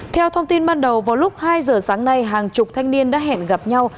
theo thông tin ban đầu vào lúc hai giờ sáng nay hàng chục thanh niên đã hẹn gặp nhau